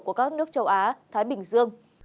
của các nước châu á thái bình dương